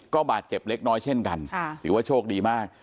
ก็บาดเจ็บเล็กน้อยเช่นกันถือว่าโชคดีมาก